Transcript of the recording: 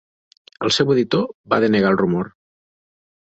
El seu editor va denegar el rumor.